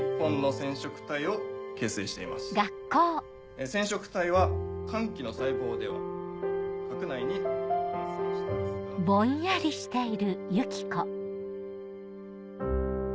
染色体は間期の細胞では核内に分散してますが。